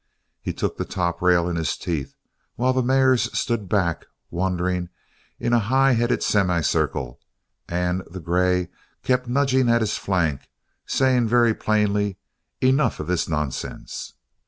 He took the top rail in his teeth, while the mares stood back, wondering, in a high headed semi circle and the grey kept nudging at his flank, saying very plainly: "Enough of this nonsense.